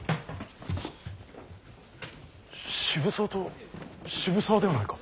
渋沢と渋沢ではないか。